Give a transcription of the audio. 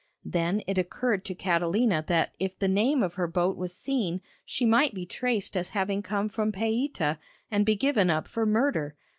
Then it occurred to Catalina that if the name of her boat was seen she might be traced as having come from Paita, and be given up for murder.